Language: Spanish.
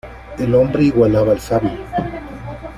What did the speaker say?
El hombre igualaba al sabio.